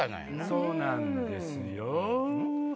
そうなんですよぅ。